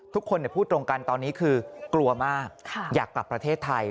ทุกคนพูดตรงกันตอนนี้คือกลัวมากอยากกลับประเทศไทย